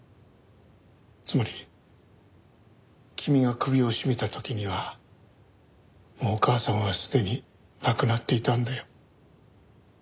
つまり君が首を絞めた時にはもうお母さんはすでに亡くなっていたんだよ。